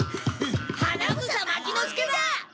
花房牧之介だ！